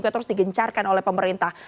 terus digencarkan oleh pemerintah